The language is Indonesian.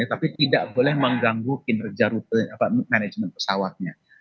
tapi tidak boleh mengganggu kinerja manajemen pesawatnya